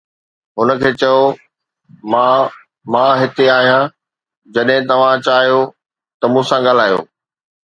هن کي چئو، "ماء، مان هتي آهيان، جڏهن توهان چاهيو ته مون سان ڳالهايو."